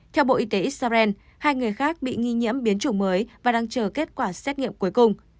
theo bộ y tế israel hai người khác bị nghi nhiễm biến chủng mới và đang chờ kết quả xét nghiệm cuối cùng